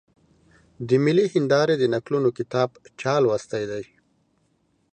د ملي هېندارې د نکلونو کتاب چا لوستلی دی؟